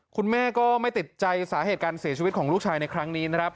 คุณแม่ก็ไม่ติดใจสาเหตุการเสียชีวิตของลูกชายในครั้งนี้นะครับ